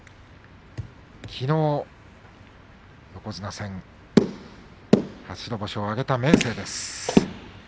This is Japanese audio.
きのう横綱戦初白星を挙げた明生です。